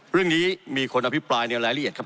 เรื่องนี้มีคนอภิปรายในรายละเอียดครับ